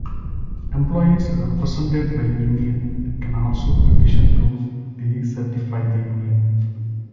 Employees represented by a union can also petition to decertify the union.